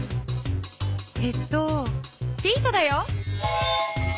えーとピートだよ。